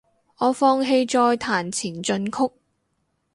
我放棄再彈前進曲